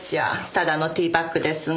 ただのティーバッグですが。